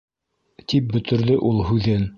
-тип бөтөрҙө ул һүҙен.